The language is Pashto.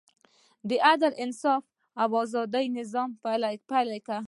د عدل، انصاف او ازادۍ نظام پلی کړ.